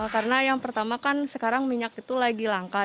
karena yang pertama kan sekarang minyak itu lagi langka